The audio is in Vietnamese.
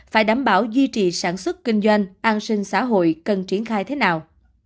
phải đảm bảo duy trì sản xuất kinh doanh an sinh xã hội cần triển khai thế nào